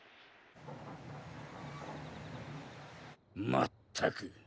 まったく。